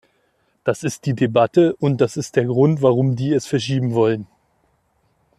Das ist die Debatte und das ist der Grund, warum die es verschieben wollen.